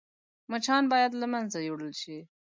مچان باید له منځه يوړل شي